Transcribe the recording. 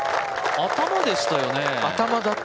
頭でしたよね。